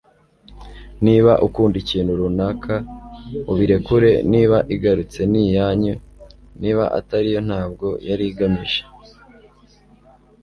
niba ukunda ikintu runaka ubirekure niba igarutse ni iyanyu, niba atari yo ntabwo yari igamije